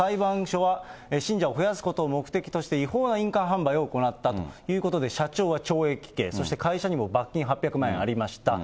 裁判所は信者を増やすことを目的として、違法な印鑑販売を行ったということで、社長は懲役刑、そして会社にも罰金８００万円ありました。